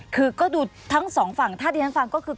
คือก็ดูทั้งสองฝั่งท่าดีทั้งฝั่งก็คือ